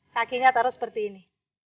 kakinya taruh seperti ini